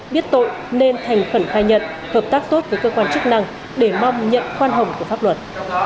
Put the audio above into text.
biết tội nên thành khẩn khai nhận hợp tác tốt với cơ quan chức năng để mong nhận khoan hồng của pháp luật